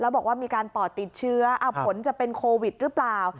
บอกว่ามีการปอดติดเชื้อผลจะเป็นโควิดหรือเปล่า